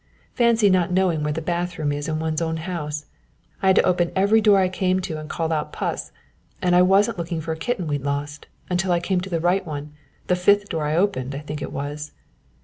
Fancy not knowing where the bath room is in one's own house. I had to open every door I came to and call out 'puss' said I was looking for a kitten we'd lost until I came to the right one, the fifth door I opened I think it was."